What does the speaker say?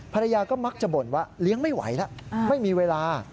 ภรรยาก็มักจะบ่นว่าเลี้ยงไม่ไหวแล้วไม่มีเวลา